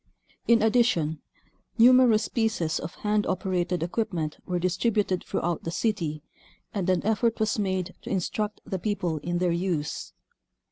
In addition, numerous pieces of hand operated equipment were distributed throughout the city, and an effort was made to instruct the people in their use.